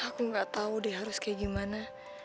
aku gak tau deh harus kayak gimana